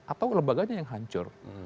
atau lembaganya yang hancur